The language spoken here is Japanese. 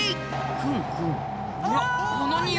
クンクン。